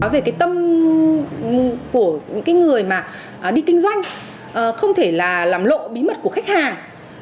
về tâm của những người đi kinh doanh không thể làm lộ bí mật của khách hàng